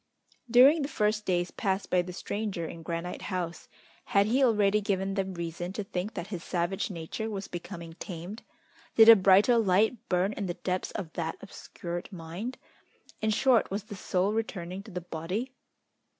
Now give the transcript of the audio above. During the first days passed by the stranger in Granite House, had he already given them reason to think that his savage nature was becoming tamed? Did a brighter light burn in the depths of that obscured mind? In short, was the soul returning to the body?